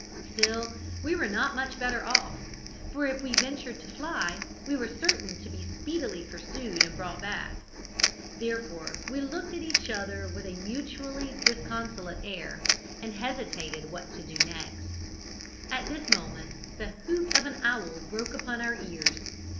"Still we were not much better off, for if we ventured to fly, we were certain to be speedily pursued and brought back. Therefore we looked at each other with a mutually disconsolate air, and hesitated what to do next. At this moment the hoot of an owl broke upon our ears.